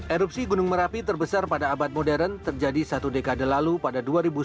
erupsi gunung merapi terbesar pada abad modern terjadi satu dekade lalu pada dua ribu sepuluh